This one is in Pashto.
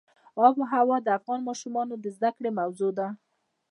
آب وهوا د افغان ماشومانو د زده کړې موضوع ده.